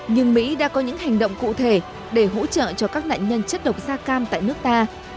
nhưng mỹ đã có những hành động cụ thể để hỗ trợ cho các nạn nhân chất độc da cam tại nước ta